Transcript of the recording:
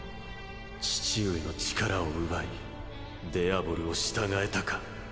父上の力を奪いデアボルを従えたか。